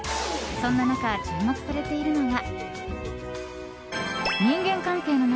そんな中注目されているのが。